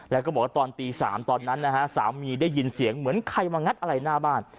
แล้วก็บอกว่าตอนตี๓ตอนนั้นนะฮะสามีได้ยินเสียงเหมือนใครมางัดอะไรหน้าบ้าน